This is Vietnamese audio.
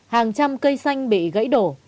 hàng trăm cây xanh bị gãy đổ